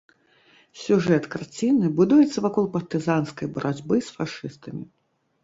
Сюжэт карціны будуецца вакол партызанскай барацьбы з фашыстамі.